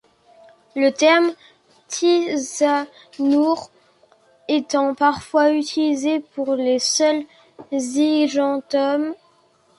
Le terme thysanoures étant parfois utilisé pour les seuls zygentomes.